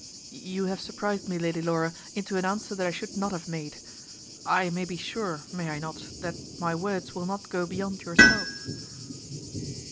"You have surprised me, Lady Laura, into an answer that I should not have made. I may be sure, may I not, that my words will not go beyond yourself?"